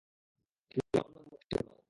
তুমি অন্যদের মতো নও।